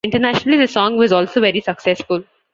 Internationally, the song was also very successful.